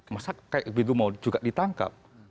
masa kayak begitu mau juga ditangkap